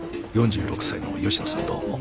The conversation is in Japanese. ４６歳の吉野さんどうも。